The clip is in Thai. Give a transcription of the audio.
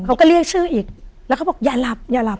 เขาก็เรียกชื่ออีกแล้วเขาบอกอย่าหลับอย่าหลับ